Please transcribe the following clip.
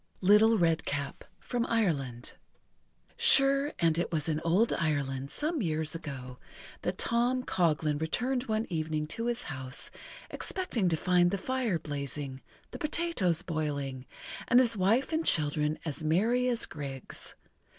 LITTLE REDCAP From Ireland Sure and it was in old Ireland, some years ago, that Tom Coghlan returned one evening to his house, expecting to find the fire blazing, the potatoes boiling, and his wife and children as merry as grigs.